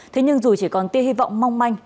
thế nhưng dù chỉ còn tia hy vọng mong manh